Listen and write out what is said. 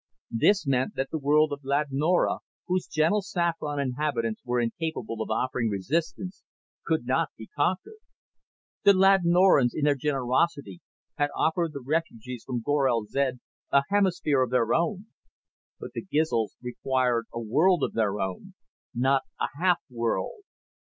This meant that the world of Ladnora, whose gentle saffron inhabitants were incapable of offering resistance, could not be conquered. The Ladnorans, in their generosity, had offered the refugees from Gorel zed a hemisphere of their own. But the Gizls required a world of their own, not a half world.